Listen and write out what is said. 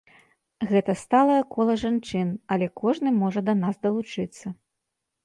Гэта сталае кола жанчын, але кожны можа да нас далучыцца.